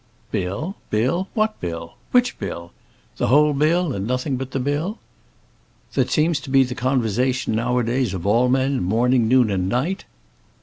"Bill bill! what bill? which bill? The whole bill, and nothing but the bill. That seems to be the conversation now a days of all men, morning, noon, and night."